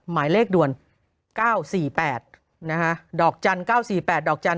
โหยวายโหยวายโหยวาย